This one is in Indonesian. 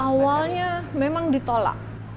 awalnya memang ditolak